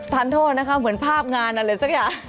ทานโทษนะคะเหมือนภาพงานอะไรสักอย่าง